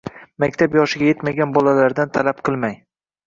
maktab yoshiga yetmagan bolalardan talab qilmang.